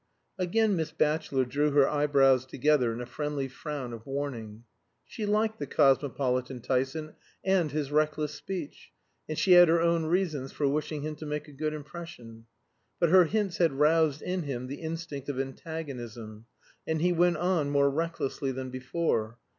Again Miss Batchelor drew her eyebrows together in a friendly frown of warning. She liked the cosmopolitan Tyson and his reckless speech, and she had her own reasons for wishing him to make a good impression. But her hints had roused in him the instinct of antagonism, and he went on more recklessly than before.